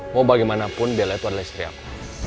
mau bagaimanapun bela itu adalah istri aku